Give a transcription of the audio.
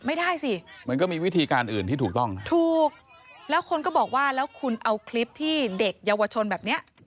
ไม่ได้สิมันก็มีวิธีการอื่นที่ถูกต้องถูกแล้วคนก็บอกว่าแล้วคุณเอาคลิปที่เด็กเยาวชนแบบเนี้ย